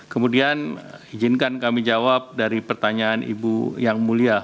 kemudian izinkan kami jawab dari pertanyaan ibu yang mulia